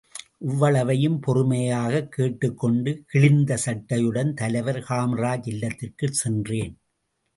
இவ்வளவையும் பொறுமையாகக் கேட்டுக் கொண்டு கிழிந்த சட்டையுடன் தலைவர் காமராஜ் இல்லத்திற்குச் சென்றேன்.